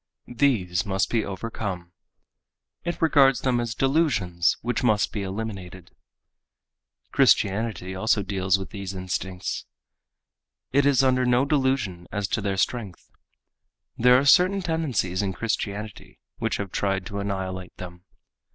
These must be overcome. It regards them as delusions which must be eliminated. Christianity also deals with these instincts. It is under no delusion as to their strength. There are certain tendencies in Christianity which have tried to annihilate them.